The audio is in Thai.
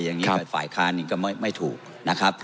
อย่างนี้ฝ่ายค้านี้ก็ไม่ถูก